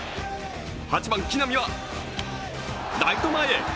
８番・木浪はライト前へ。